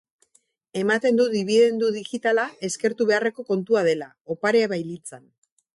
Ematen du dibidendu digitala eskertu beharreko kontua dela, oparia bailitzan.